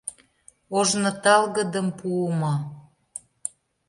Ожно талгыдым пуымо.